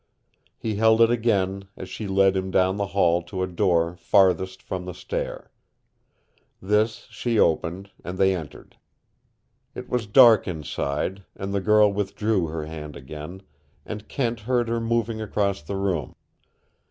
He held it again as she led him down the hall to a door farthest from the stair. This she opened, and they entered. It was dark inside, and the girl withdrew her hand again, and Kent heard her moving across the room.